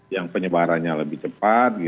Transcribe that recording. yang penyebarannya lebih cepat